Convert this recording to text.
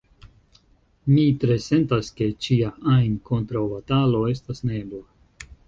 Mi tre sentas, ke ĉia ajn kontraŭbatalo estas neebla.